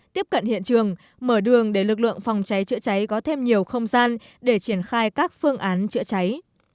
tiếp cận hiện trường mở đường để lực lượng phòng cháy chữa cháy có thêm nhiều không gian để triển khai các phương án chữa cháy